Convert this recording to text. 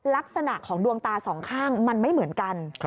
ลักษณะของดวงตาสองข้างมันไม่เหมือนกัน